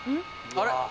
あれ？